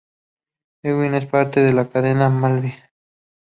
Ewing es parte de la cadena Walvis.